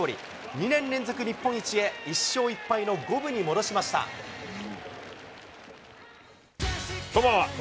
２年連続日本一へ、１勝１敗の五こんばんは。